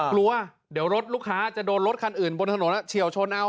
กลัวเดี๋ยวรถลูกค้าจะโดนรถคันอื่นบนถนนเฉียวชนเอา